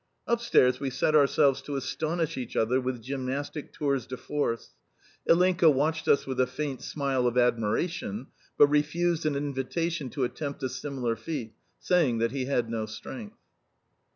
Upstairs we set ourselves to astonish each other with gymnastic tours de force. Ilinka watched us with a faint smile of admiration, but refused an invitation to attempt a similar feat, saying that he had no strength.